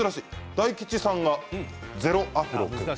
大吉さんが０アフロ君。